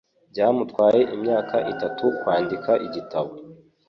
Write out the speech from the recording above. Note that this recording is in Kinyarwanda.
Byamutwaye imyaka itatu kwandika igitabo.